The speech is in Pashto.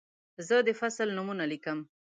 زه د فصل نومونه لیکم.